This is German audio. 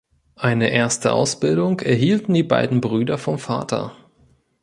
Eine erste Ausbildung erhielten die beiden Brüder vom Vater.